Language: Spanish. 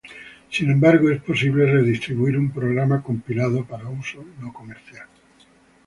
Sin embargo, es posible redistribuir un programa compilado para uso no comercial.